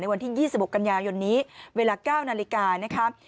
ในวันที่๒๖กันยาวนี้เวลา๙นาฬิกา